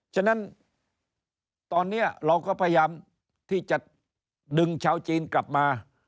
ฉะนั้นตอนนี้เราก็พยายามที่จะดึงชาวจีนกลับมา